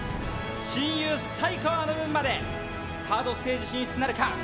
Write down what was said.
親友・才川の分までサードステージ進出なるか？